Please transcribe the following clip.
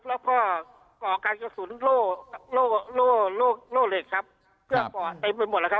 แล้วก็ก่อการกระสุนโล่โล่เหล็กครับเพื่อปอดเต็มไปหมดแล้วครับ